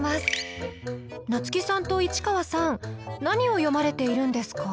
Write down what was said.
夏木さんと市川さん何を読まれているんですか？